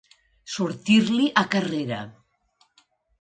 Sortir-li a carrera.